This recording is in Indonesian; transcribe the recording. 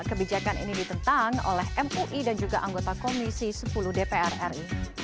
kebijakan ini ditentang oleh mui dan juga anggota komisi sepuluh dpr ri